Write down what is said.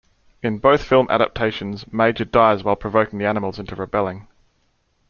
In both film adaptations, Major dies while provoking the animals into rebelling.